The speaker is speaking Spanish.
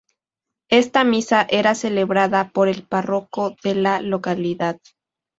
Esta misa era celebrada por el párroco de la localidad.